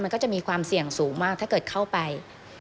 มันก็จะมีความเสี่ยงสูงมากถ้าเกิดเข้าไป